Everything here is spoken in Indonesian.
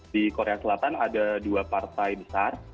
di korea selatan ada dua partai besar